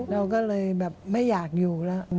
เราก็เลยแบบไม่อยากอยู่แล้ว